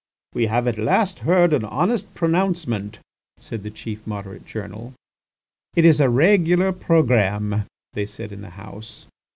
"We have at last heard an honest pronouncement," said the chief Moderate journal. "It is a regular programme!" they said in the House.